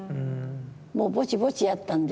もうボチボチやったんで。